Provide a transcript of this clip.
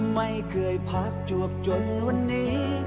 ไม่เคยพักจวบจนวันนี้